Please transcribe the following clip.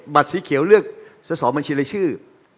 บัตรสีเขียวเลือกซศบัญชีละชื่อ